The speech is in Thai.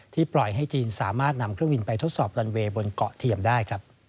ปล่อยให้จีนสามารถนำเครื่องบินไปทดสอบลันเวย์บนเกาะเทียมได้